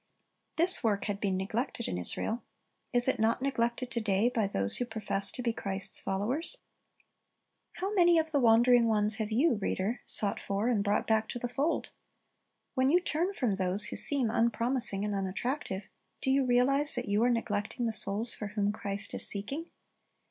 This work had been neglected in Israel. Is it not neglected to day by those who profess to be Christ's followers ? How many of the wandering ones have you, reader, sought for and brought back to the fold ? When you turn from those who seem unpromising and unattractive, do you realize that you are neglecting the souls for whom Christ is seeking?